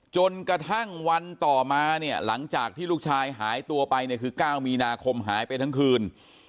จนกระทั่งวันต่อมาเนี่ยหลังจากที่ลูกชายหายตัวไปเนี่ยคือ๙มีนาคมหายไปทั้งคืน